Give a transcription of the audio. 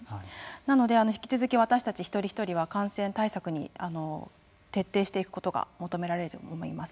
なので、引き続き私たち一人一人は感染対策に徹底していくことが求められると思います。